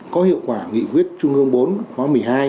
có hiệu quả nghị quyết trung ương bốn khóa một mươi hai